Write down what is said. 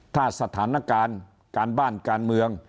ถ้าสถานการณ์การบ้านการเมือง